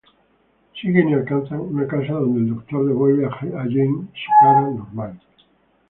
Siguen y alcanzan una casa, donde el Doctor devuelve a Jamie su cara normal.